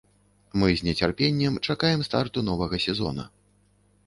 Мы з нецярпеннем чакаем старту новага сезона.